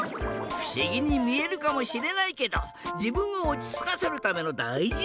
ふしぎにみえるかもしれないけどじぶんをおちつかせるためのだいじなじかんなんだ。